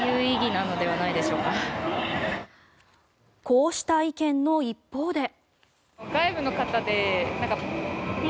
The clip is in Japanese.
こうした意見の一方で。